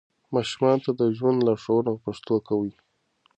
ماشومانو ته د ژوند لارښوونه په پښتو کوئ.